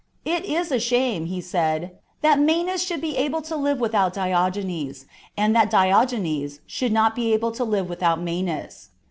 " It is a shame," he said, "that Manes should be able to live without Diogenes, and that Diogenes should not be able to live without Manes."